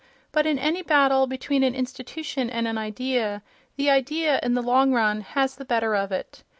But in any battle between an institution and an idea, the idea, in the long run, has the better of it.